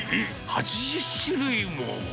８０種類も。